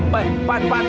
pak pak pak